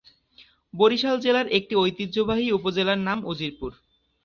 বরিশাল জেলার একটি ঐতিহ্যবাহী উপজেলার নাম উজিরপুর।